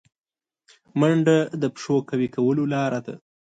منډه د پښو قوي کولو لاره ده